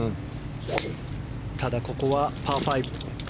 ただここはパー５。